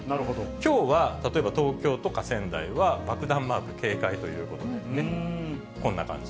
きょうは例えば東京とか仙台は爆弾マーク、警戒ということで、こんな感じ。